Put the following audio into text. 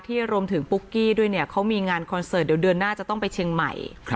รวมถึงปุ๊กกี้ด้วยเนี่ยเขามีงานคอนเสิร์ตเดี๋ยวเดือนหน้าจะต้องไปเชียงใหม่